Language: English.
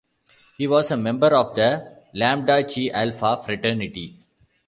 He was a member of the Lambda Chi Alpha fraternity.